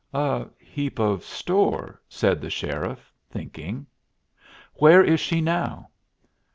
"A heap of store," said the sheriff, thinking. "Where is she now?"